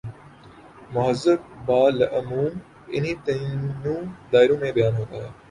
مذہب بالعموم انہی تینوں دائروں میں بیان ہوتا ہے۔